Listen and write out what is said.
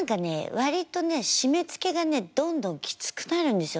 割とね締めつけがねどんどんきつくなるんですよ